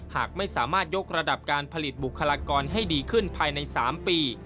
หากไม่สามารถยกระดับการผลิตบุคลากรให้ดีขึ้นภายใน๓ปี